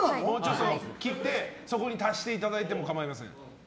切って、そこに足していただいてもかまいません。